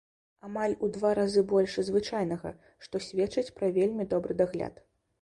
Амаль у два разы больш звычайнага, што сведчыць пра вельмі добры дагляд.